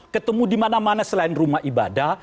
ketemu dimana mana selain rumah ibadah